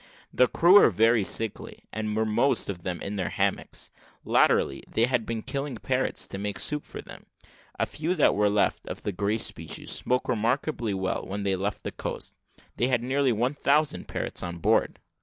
The crew were very sickly, and were most of them in their hammocks. Latterly, they had been killing parrots to make soup for them; a few that were left, of the grey species, spoke remarkably well. When they left the coast, they had nearly one thousand parrots on board.